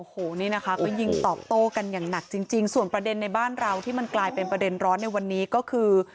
โอ้โหนี่นะคะก็ยิงตอบโต้กันอย่างหนักจริงส่วนประเด็นในบ้านเราที่มันกลายเป็นประเด็นร้อนในวันนี้ก็คือ